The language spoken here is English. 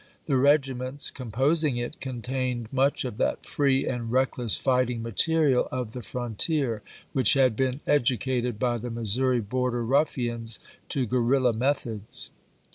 The regiments composing it contained much of that free and reckless fighting material of the frontier, which had been edu cated by the Missouri border ruffians to guerrilla methods.